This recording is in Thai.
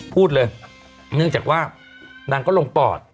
พูดเลยเนื่องจากว่านางก็ลงปอด